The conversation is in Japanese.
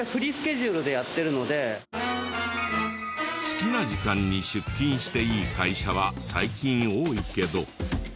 好きな時間に出勤していい会社は最近多いけど。